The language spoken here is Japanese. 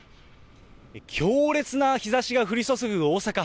強烈な日ざしが降り注ぐ大阪。